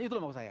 itu maksud saya